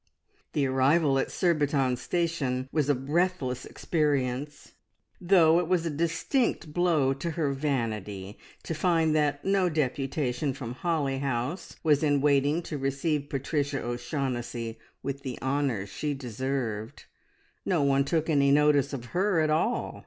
The arrival at Surbiton Station was a breathless experience, though it was a distinct blow to her vanity to find that no deputation from Holly House was in waiting to receive Patricia O'Shaughnessy with the honours she deserved. No one took any notice of her at all.